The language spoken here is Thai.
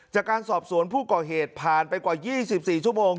จากการสอบสวนผู้ก่อเหตุผ่านไปกว่า๒๔ชั่วโมง